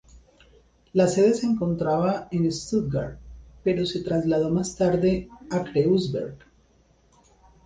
La sede se encontraba en Stuttgart, pero se trasladó más tarde a Kreuzberg.